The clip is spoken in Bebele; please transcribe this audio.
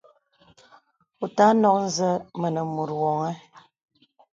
Wɔ ùtà nɔk nzə mənə mùt wɔŋ.